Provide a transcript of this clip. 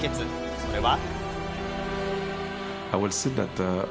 それは。